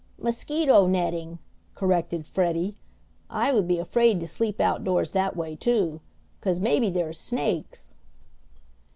"Mosquito netting," corrected Freddie. "I would be afraid to sleep outdoors that way too. 'Cause maybe there's snakes."